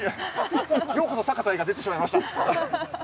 「ようこそ酒田へ」が出てしまいました。